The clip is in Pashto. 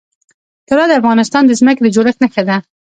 طلا د افغانستان د ځمکې د جوړښت نښه ده.